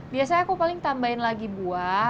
biasanya aku paling tambahin lagi buah